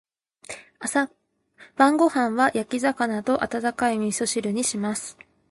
晩ご飯は焼き魚と温かい味噌汁にします。